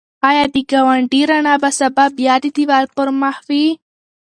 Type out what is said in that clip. ایا د ګاونډي رڼا به سبا بیا د دېوال پر مخ وي؟